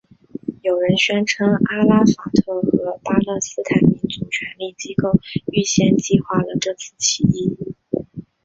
有人宣称阿拉法特和巴勒斯坦民族权力机构预先计划了这次起义。